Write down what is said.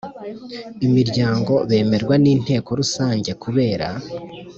Imiryango bemerwa n inteko Rusange kubera